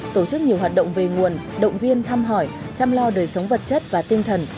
tổ chức nhiều hoạt động về nguồn động viên thăm hỏi chăm lo đời sống vật chất và tinh thần